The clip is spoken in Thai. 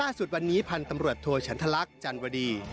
สุดวันนี้พันธ์ตำรวจโทฉันทลักษณ์จันวดี